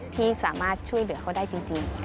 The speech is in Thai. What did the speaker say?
ที่สามารถช่วยเหลือเขาได้จริง